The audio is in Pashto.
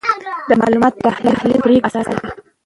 د معلوماتو تحلیل د پریکړو اساس دی.